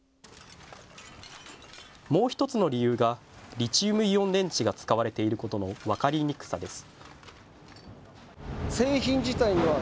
もう１つの理由がリチウムイオン電池が使われていることの分かりにくさです。